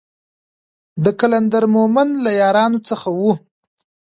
د قلندر مومند له يارانو څخه و.